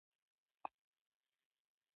• د سهار باران د طبیعت خندا ده.